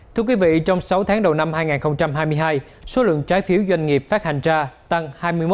thưa quý vị trong sáu tháng đầu năm hai nghìn hai mươi hai số lượng trái phiếu doanh nghiệp phát hành ra tăng hai mươi một